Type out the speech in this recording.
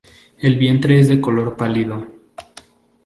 El vientre es de color pálido.